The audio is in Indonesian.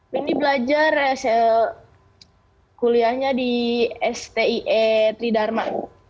ini belajar kuliahnya di stie tridharma